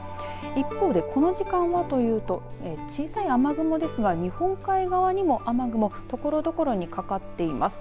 一方で、この時間はというと小さい雨雲ですが日本海側にも雨雲、ところどころにかかっています。